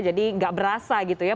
jadi nggak berasa gitu ya